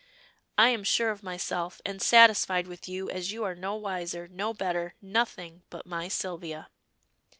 "I am sure of myself, and satisfied with you, as you are no wiser, no better, nothing but my Sylvia."